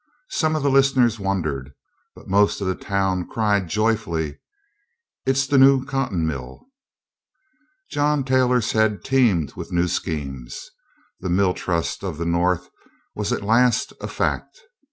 Some of the listeners wondered; but most of the town cried joyfully, "It's the new cotton mill!" John Taylor's head teemed with new schemes. The mill trust of the North was at last a fact.